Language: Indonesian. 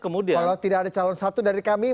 kalau tidak ada calon satu dari kami